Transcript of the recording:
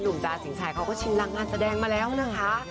จาสินชัยเขาก็ชิงรังงานแสดงมาแล้วนะคะ